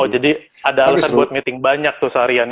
oh jadi ada alasan buat meeting banyak tuh seharian ya